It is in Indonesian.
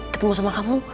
ketemu sama kamu